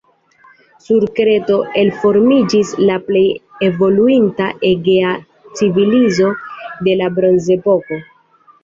Sur Kreto elformiĝis la plej evoluinta egea civilizo de la bronzepoko.